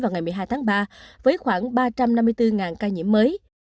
vào ngày một mươi hai tháng ba với khoảng ba trăm năm mươi bốn ca nhiễm mới